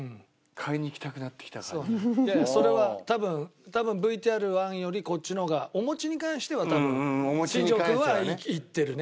それは多分ＶＴＲ１よりこっちの方がお餅に関しては多分新庄君はいってるね。